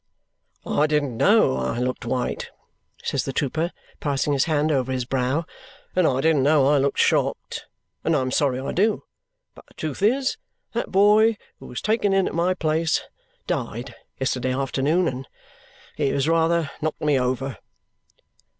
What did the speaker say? "I didn't know I looked white," says the trooper, passing his hand over his brow, "and I didn't know I looked shocked, and I'm sorry I do. But the truth is, that boy who was taken in at my place died yesterday afternoon, and it has rather knocked me over."